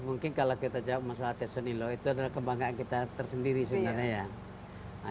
mungkin kalau kita jawab masalah tesonilo itu adalah kebanggaan kita tersendiri sebenarnya ya